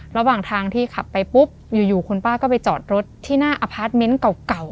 ระหว่างทางที่ขับไปปุ๊บอยู่คุณป้าก็ไปจอดรถที่หน้าอพาร์ทเมนต์เก่า